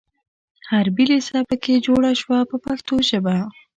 حربي لېسه په کې جوړه شوه په پښتو ژبه.